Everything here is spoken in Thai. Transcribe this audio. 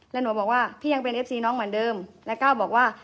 แล้วหนูบอกว่าพี่ยังเป็นเอฟซีน้องเหมือนเดิมแล้วก็บอกว่า